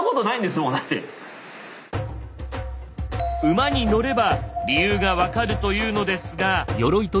馬に乗れば理由が分かるというのですが。